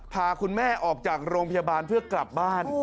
พาคุณแม่ออกจากโรงพยาบาลเพื่อกลับบ้าน